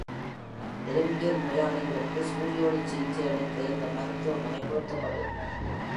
எலும்பியல் நோயாளிகளுக்கு சூரிய ஒளி சிகிச்சை அளிக்க இந்த மருத்துவமனை பொருத்தப்பட்டிருந்தது.